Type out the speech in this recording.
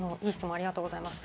ありがとうございます。